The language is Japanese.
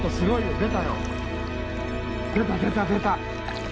出た。